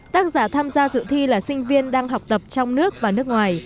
tác giả tham gia dự thi là sinh viên đang học tập trong nước và nước ngoài